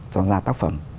cho ra tác phẩm